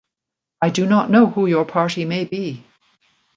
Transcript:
I do not know who your party may be.